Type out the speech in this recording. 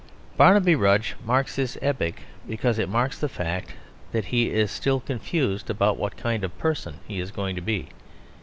Barnaby Rudge marks this epoch because it marks the fact that he is still confused about what kind of person he is going to be.